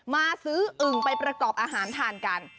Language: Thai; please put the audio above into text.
มาซื้ออึ่งไปประกอบอาหารทานกัน